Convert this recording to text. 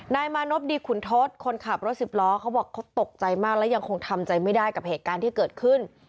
นายมานพดีขุนทศคนขับรถสิบล้อเขาบอกเขาตกใจมากและยังคงทำใจไม่ได้กับเหตุการณ์ที่เกิดขึ้น